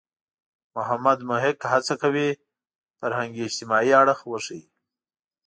محمد محق هڅه کوي فرهنګي – اجتماعي اړخ وښيي.